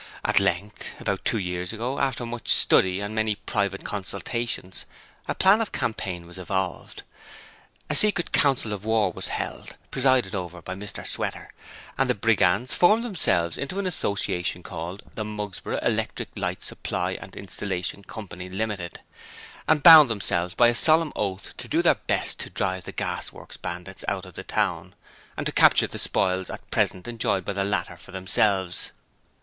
At length about two years ago after much study and many private consultations, a plan of campaign was evolved; a secret council of war was held, presided over by Mr Sweater, and the Brigands formed themselves into an association called 'The Mugsborough Electric Light Supply and Installation Coy. Ltd.', and bound themselves by a solemn oath to do their best to drive the Gas Works Bandits out of the town and to capture the spoils at present enjoyed by the latter for themselves.